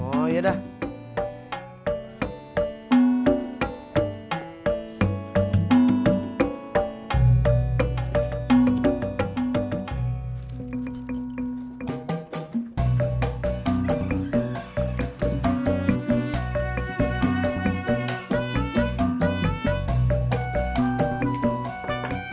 oh ya dah